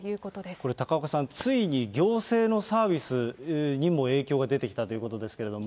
これ、高岡さん、ついに行政のサービスにも影響が出てきたということですけれども。